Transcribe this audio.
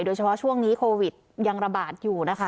โดยเฉพาะช่วงนี้โควิดยังระบาดอยู่นะคะ